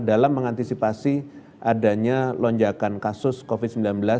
dalam mengantisipasi adanya lonjakan kasus covid sembilan belas